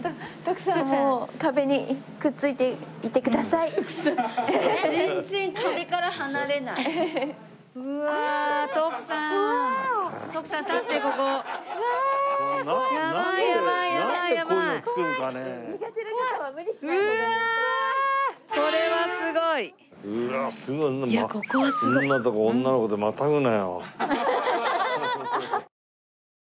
そんなとこ女の子でまたぐなよ。